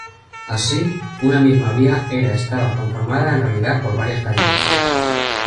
Así, una misma vía era estaba conformada en realidad por varias calles.